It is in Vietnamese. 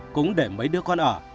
cũng để mấy đứa con ở